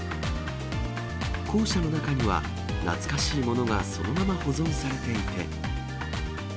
校舎の中には懐かしいものがそのまま保存されていて。